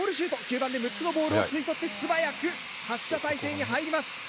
吸盤で６つのボールを吸い取って素早く発射態勢に入ります。